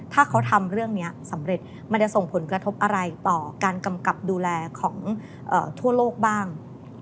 ถ้าเขาทำเรื่องนี้สำเร็จมันจะส่งผลกระทบอะไรต่อการกำกับดูแลของทั่วโลกบ้าง